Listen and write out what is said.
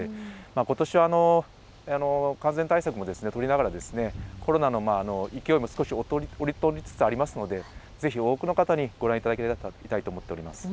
ことしは感染対策も取りながらコロナの勢いも落ち着きつつあるのでぜひ多くの方にご覧いただきたいと思っています。